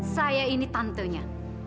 saya ini tantenya